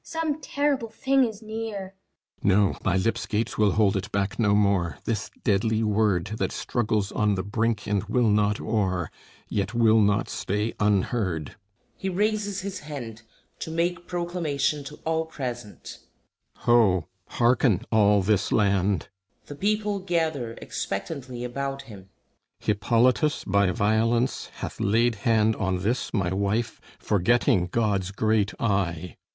Some terrible thing is near. THESEUS No; my lips' gates will hold it back no more; This deadly word, That struggles on the brink and will not o'er, Yet will not stay unheard. [He raises his hand, to make proclamation to all present.] Ho, hearken all this land! [The people gather expectantly about him.] Hippolytus by violence hath laid hand On this my wife, forgetting God's great eye.